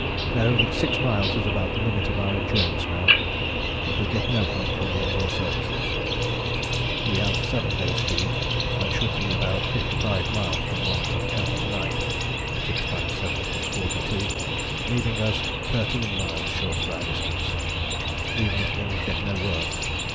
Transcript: Know that 6 miles is about the limit of our endurance now, if we get no help from wind or surfaces. We have 7 days' food and should be about 55 miles from One Ton Camp to night, 6x7 = 42, leaving us 13 miles short of our distance, even if things get no worse.